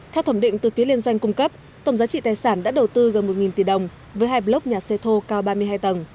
theo thẩm định từ phía liên doanh cung cấp tổng giá trị tài sản đã đầu tư gần một tỷ đồng với hai block nhà xe thô cao ba mươi hai tầng